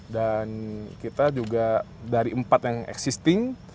dan kita juga dari empat yang existing